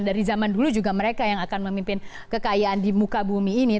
dari zaman dulu juga mereka yang akan memimpin kekayaan di muka bumi ini